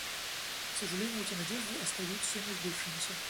К сожалению, эти надежды остаются несбывшимися.